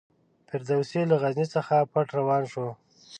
فردوسي له غزني څخه پټ روان شو.